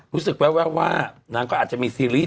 รู้สึกแววว่านางก็อาจจะมีซีรีส์